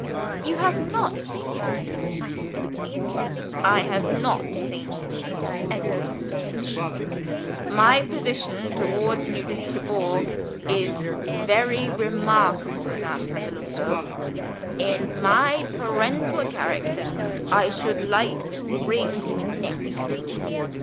"You have not seen him?" I said. "I have not seen him," echoed Mr. Finch. "My position towards Nugent Dubourg is very remarkable, Madame Pratolungo. In my parental character, I should like to wring his neck.